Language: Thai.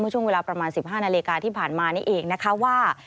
ช่วงเวลาประมาณ๑๕นาฬิกาที่ผ่านมานี่เองนะคะว่า